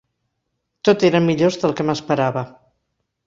Tot eren millors del que m'esperava.